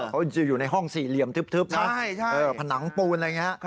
เขาจะอยู่ในห้องสี่เหลี่ยมทึบนะผนังปูนอะไรอย่างนี้